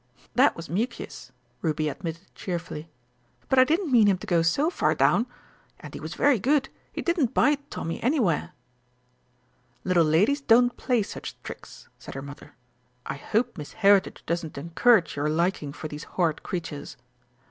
"That was Mucius," Ruby admitted cheerfully. "But I didn't mean him to go so far down. And he was very good he didn't bite Tommy anywhere." "Little ladies don't play such tricks," said her Mother. "I hope Miss Heritage doesn't encourage your liking for these horrid creatures?"